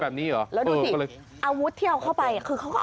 เออมันอยู่ที่ธ่าเต้นแหละ